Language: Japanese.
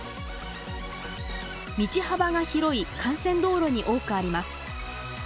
道幅が広い幹線道路に多くあります。